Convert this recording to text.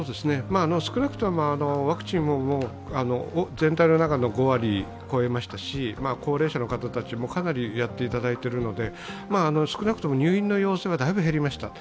少なくともワクチンも全体の中の５割を超えましたし高齢者の方たちもかなりやっていただいているので少なくとも入院の要請はだいぶ減りました。